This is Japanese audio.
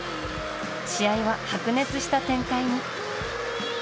試合は白熱した展開に。